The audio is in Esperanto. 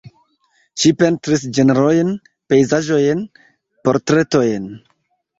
Ŝi pentris ĝenrojn, pejzaĝojn, portretojn.